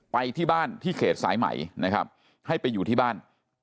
ไปที่บ้านที่เขตสายใหม่นะครับให้ไปอยู่ที่บ้าน